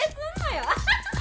アハハッ！